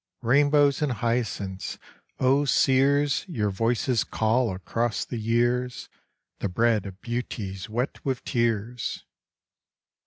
Rainbows and hyacinths! O seers, Your voices call across the years: "The bread of Beauty's wet with tears!